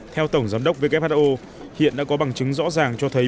theo tổng giám đốc who hiện đã có bằng chứng rõ ràng cho thấy